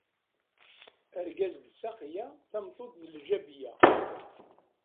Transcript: Argaz d saqiya tameṭṭut d lǧabiya.